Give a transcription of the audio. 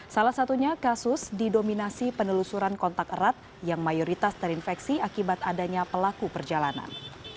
salah satunya kasus didominasi penelusuran kontak erat yang mayoritas terinfeksi akibat adanya pelaku perjalanan